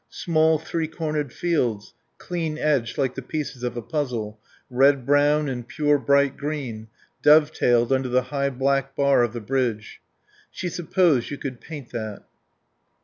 Small three cornered fields, clean edged like the pieces of a puzzle, red brown and pure bright green, dovetailed under the high black bar of the bridge. She supposed you could paint that.